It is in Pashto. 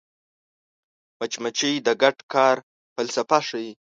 مچمچۍ د ګډ کار فلسفه ښيي